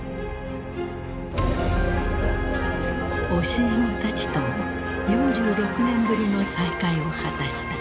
教え子たちとも４６年ぶりの再会を果たした。